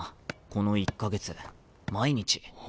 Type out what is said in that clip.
この１か月毎日。